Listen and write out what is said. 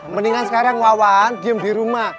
mendingan sekarang wawan diem di rumah